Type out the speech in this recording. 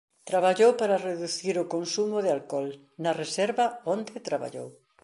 Traballou para reducir o consumo de alcohol na reserva onde traballou.